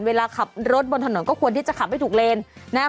เวลาขับรถบนถนนก็ควรที่จะขับให้ถูกเลนส์นะ